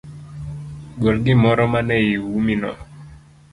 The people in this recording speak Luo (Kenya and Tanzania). Gol gimoro manieumino.